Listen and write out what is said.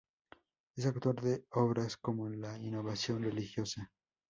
Es autor de obras como "La innovación religiosa.